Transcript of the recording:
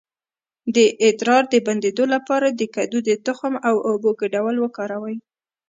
د ادرار د بندیدو لپاره د کدو د تخم او اوبو ګډول وکاروئ